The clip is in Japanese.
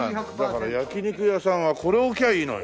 だから焼き肉屋さんはこれを置きゃいいのよ。